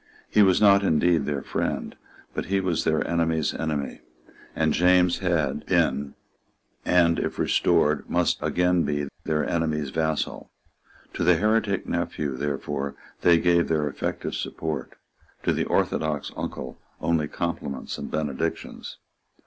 He was not indeed their friend; but he was their enemy's enemy; and James had been, and, if restored, must again be, their enemy's vassal. To the heretic nephew therefore they gave their effective support, to the orthodox uncle only compliments and benedictions.